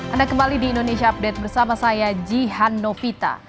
anda kembali di indonesia update bersama saya jihan novita